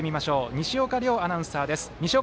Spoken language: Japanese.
西岡遼アナウンサーです。